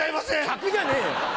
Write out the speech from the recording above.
客じゃねえよ。